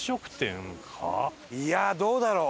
いやどうだろう？